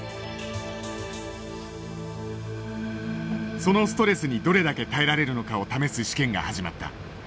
そのストレスにどれだけ耐えられるのかを試す試験が始まった。